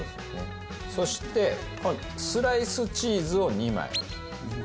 そしてスライスチーズを２枚横に。